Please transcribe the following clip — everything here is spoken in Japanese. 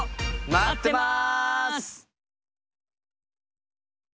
待ってます！